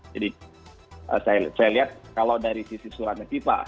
jadi saya lihat kalau dari sisi surat fifa